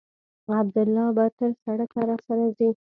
عبدالله به تر سړکه راسره ځي.